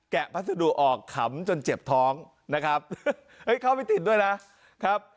พัสดุออกขำจนเจ็บท้องนะครับเฮ้ยเข้าไปติดด้วยนะครับ